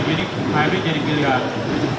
jadi hybrid jadi pilihan